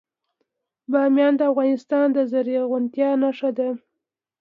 بامیان د افغانستان د زرغونتیا نښه ده.